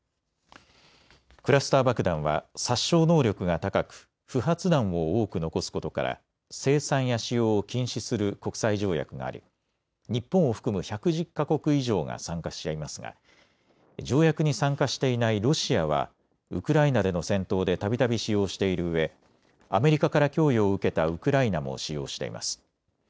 クラスター爆弾は殺傷能力が高く不発弾を多く残すことから生産や使用を禁止する国際条約があり日本を含む１１０か国以上が参加していますが条約に参加していないロシアはウクライナでの戦闘でたびたび使用しているうえアメリカから供与を受けたウクライナも使用しています。